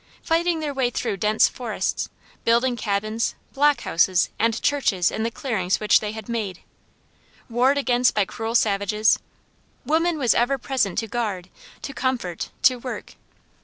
Fighting their way through dense forests, building cabins, block houses, and churches in the clearings which they had made; warred against by cruel savages; woman was ever present to guard, to comfort, to work.